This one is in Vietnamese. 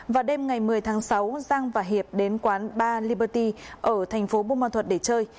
vào đêm ngày một mươi tháng sáu giang và hiệp đến quán bar liberty ở thành phố bù mà thuật để chơi